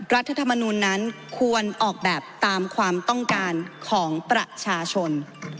รัฐธรรมนูลนั้นควรออกแบบตามความต้องการของประชาชน